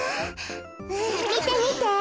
みてみて。